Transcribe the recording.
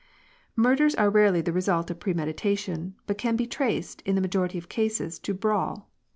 "Murders are rarely the result of premeditation, but can be traced, in the majority of cases, to a brawl.